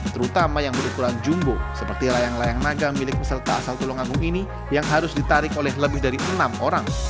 terutama yang berukuran jumbo seperti layang layang naga milik peserta asal tulungagung ini yang harus ditarik oleh lebih dari enam orang